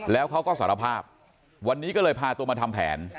แล้วเขาก็สารภาพวันนี้ก็เลยพาตัวมาทำแผน